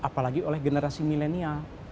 apalagi oleh generasi milenial